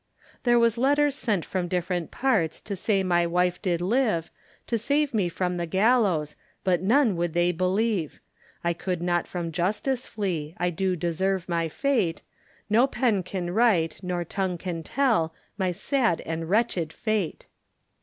There was letters sent from different parts, To say my wife did live, To save me from the gallows, But none would they believe; I could not from Justice flee, I do deserve my fate, No pen can write, or tongue can tell, My sad and wretched fate.